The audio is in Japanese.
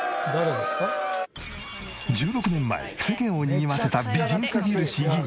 １６年前世間をにぎわせた美人すぎる市議に。